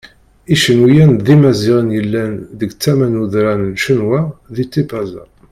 Icenwiyen d Imaziɣen yellan deg tama n udran n Cenwa di Tipaza.